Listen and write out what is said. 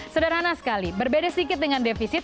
sederhana sekali berbeda sedikit dengan defisit